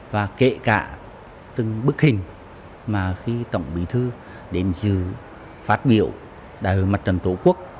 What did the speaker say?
và kể cả từng bức hình mà khi tổng bí thư đến dự phát biểu đại hội mặt trận tổ quốc